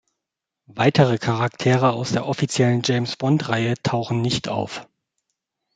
Weitere Charaktere aus der offiziellen James-Bond-Reihe tauchen nicht auf.